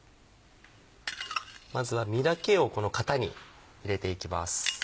まずは実だけをこの型に入れていきます。